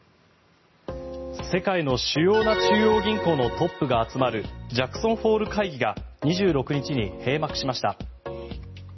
世界の主要な中央銀行のトップが集まるジャクソンホール会議が２６日に閉幕しました。